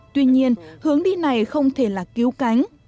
tuy nhiên hướng đi này không thể là cứu cánh